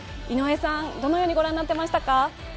井上さん、どのように御覧になっていましたか？